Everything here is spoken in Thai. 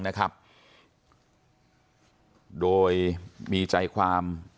ท่านผู้ชมครับ